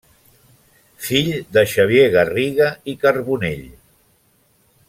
Fill de Xavier Garriga i Carbonell.